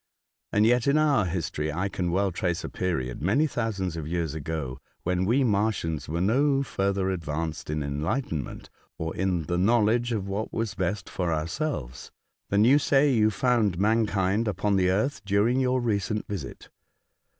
And yet, in our history, I can well trace a period, many thousands of years ago, when we Martians were no further advanced in enlightenment, or in the knowledge of what was best for our selves, than you say you found mankind upon the earth during your recent visit.